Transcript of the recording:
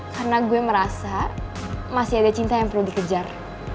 karena gue merasa masih ada cinta yang perlu dikejar